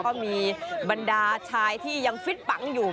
ก็มีบรรดาชายที่ยังฟิตปังอยู่